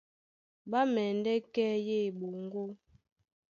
Ɓá mɛndɛ́ kɛ́ yé eɓoŋgó,